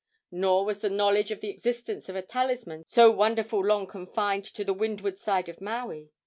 Nor was the knowledge of the existence of a talisman so wonderful long confined to the windward side of Maui.